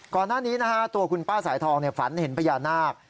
ก่อนหน้านี้นะฮะตัวคุณป้าสายทองฝันเห็นพญานาค